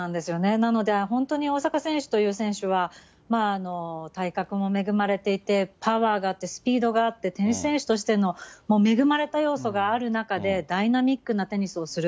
なので、本当に大坂選手という選手は、体格も恵まれていて、パワーがあってスピードがあって、テニス選手としての恵まれた要素がある中で、ダイナミックなテニスをする。